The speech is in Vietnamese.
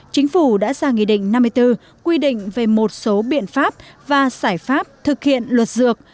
chính phủ đã ra nghị định năm mươi bốn quy định về một số biện pháp và giải pháp thực hiện luật dược